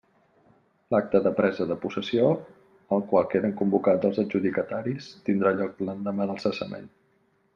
L'acte de presa de possessió, al qual queden convocats els adjudicataris, tindrà lloc l'endemà del cessament.